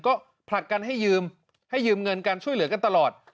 ก็ผลักกันให้ยืมให้ยืมเงินกันช่วยเหลือกันตลอด